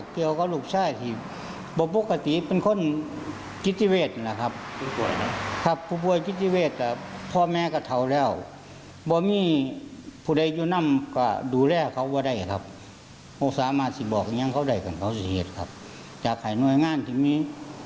ครับจะขายนวงง่าง่านที่มี